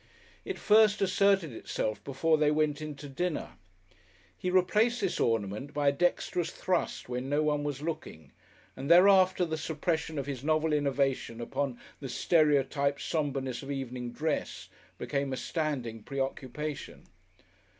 It first asserted itself before they went in to dinner. He replaced this ornament by a dexterous thrust when no one was looking and thereafter the suppression of his novel innovation upon the stereotyped sombreness of evening dress became a standing preoccupation.